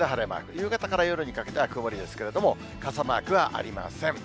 夕方から夜にかけては曇りですけれども、傘マークはありません。